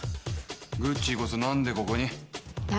グッチーこそ何でここに？